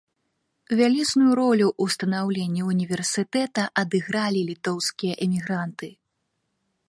Вялізную ролю ў станаўленні ўніверсітэта адыгралі літоўскія эмігранты.